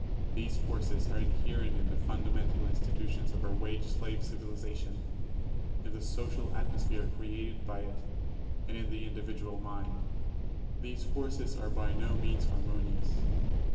These forces are inherent in the fundamental institutions of our wage slave civilization, in the social atmosphere created by it, and in the individual mind. These forces are by no means harmonious.